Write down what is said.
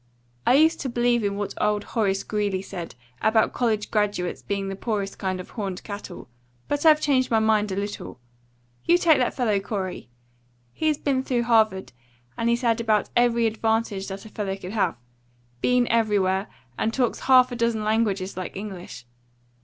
I used to believe in what old Horace Greeley said about college graduates being the poorest kind of horned cattle; but I've changed my mind a little. You take that fellow Corey. He's been through Harvard, and he's had about every advantage that a fellow could have. Been everywhere, and talks half a dozen languages like English.